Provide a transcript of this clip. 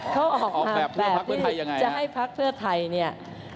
เขาออกแบบให้พักเพื่อไทยเนี่ย